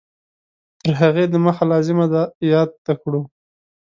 تر هغې د مخه لازمه ده یاده کړو